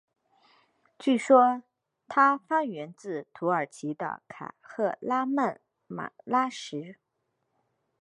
据说它发源自土耳其的卡赫拉曼马拉什。